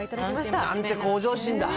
なんて向上心だ。